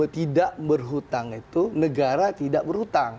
tidak berhutang itu negara tidak berhutang